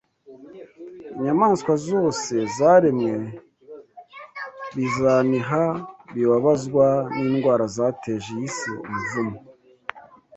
inyamaswa zose zaremwe bizaniha bibabazwa n’indwara zateje iyi si umuvumo